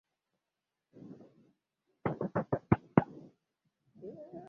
inayotangaza kutoka dar es salaam tanzania